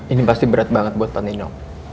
ini pasti berat banget buat panino